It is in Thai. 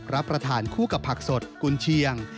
รับประทานคู่กับผักสดกุญเชียง